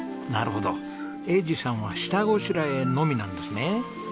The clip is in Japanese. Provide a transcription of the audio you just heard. なるほど栄治さんは下ごしらえのみなんですね。